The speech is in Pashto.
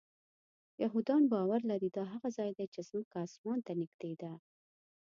یهودان باور لري دا هغه ځای دی چې ځمکه آسمان ته نږدې ده.